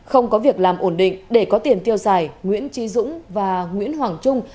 không có việc làm ổn định để có tiền tiêu xài nguyễn trí dũng và nguyễn hoàng trung